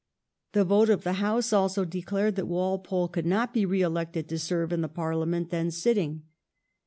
The vote of the House also declared that Walpole could not be re elected to serve in the Parliament then sitting.